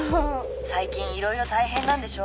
最近いろいろ大変なんでしょ？